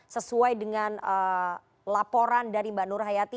sesuai dengan laporan dari mbak nur hayati